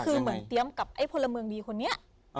คือเหมือนเตรียมกับไอ้พลเมืองดีคนนี้